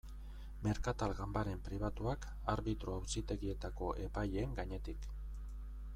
Merkatal ganbaren pribatuak arbitro auzitegietako epaileen gainetik.